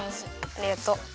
ありがとう！